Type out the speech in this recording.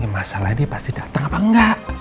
masalah ini pasti datang apa enggak